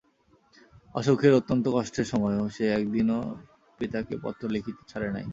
অসুখের অত্যন্ত কষ্টের সময়ও সে একদিনও পিতাকে পত্র লিখিতে ছাড়ে নাই।